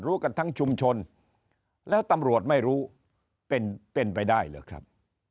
รู้กันทั้งชุมชนแล้วตำรวจไม่รู้เป็นไปได้หรือครับ